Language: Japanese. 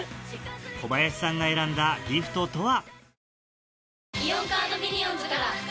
小林さんが選んだギフトとは？